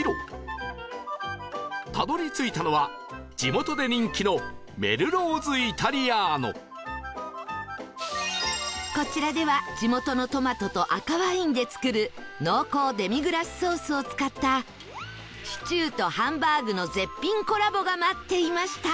たどり着いたのは地元で人気のこちらでは地元のトマトと赤ワインで作る濃厚デミグラスソースを使ったシチューとハンバーグの絶品コラボが待っていました